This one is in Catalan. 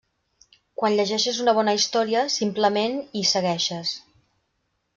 Quan llegeixes una bona història, simplement hi segueixes.